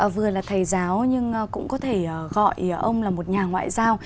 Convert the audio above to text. vừa là thầy giáo nhưng cũng có thể gọi ông là một nhà ngoại giao